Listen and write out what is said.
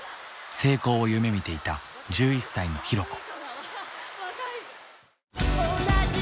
成功を夢みていた１１歳の寛子。